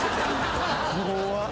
怖っ。